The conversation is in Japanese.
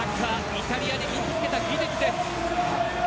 イタリアで身につけた技術です。